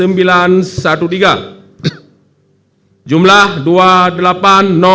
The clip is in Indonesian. jumlah pengguna hak pilih dalam dpt